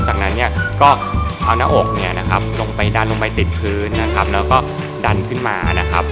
จากนั้นเนี่ยก็เอาหน้าอกเนี่ยนะครับลงไปดันลงไปติดพื้นนะครับแล้วก็ดันขึ้นมานะครับ